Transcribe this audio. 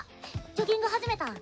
ジョギング始めたん？